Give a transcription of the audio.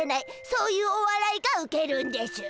そういうおわらいがウケるんでしゅ。